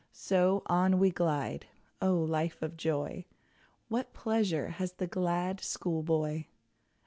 So on we glide O, life of joy; What pleasure has the glad school boy!